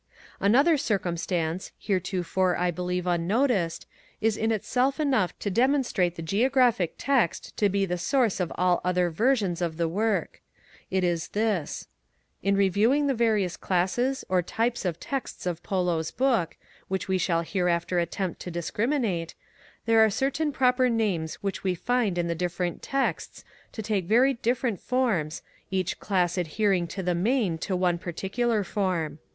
53. Another circumstance, heretofore I believe unnoticed, is in itself enough to demonstrate the Geographic Text to be the source of all other versions of the Work. It is this. Conclusive y ..,.,^ proof that in reviewmg the various classes or types of texts theoia of Polo's Book, which we shall hereafter attempt to dis is the source ..^ of all the crimmate, there are certain proper names which we find others. in the different texts to take very different forms, each class adhering in the main to one particular form.